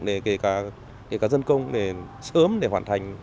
để kể cả dân công sớm để hoàn thành